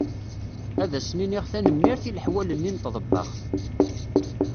Ad asen-iniɣ tanemmirt i leḥwal-nni n tḍebbaxt.